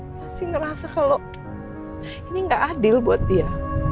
pasti ngerasa kalau ini gak adil buat dia